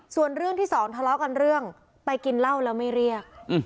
ส่วนเรื่องที่สองทะเลาะกันเรื่องไปกินเหล้าแล้วไม่เรียก